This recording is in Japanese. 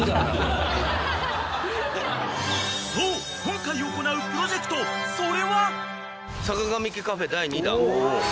［そう今回行うプロジェクトそれは！］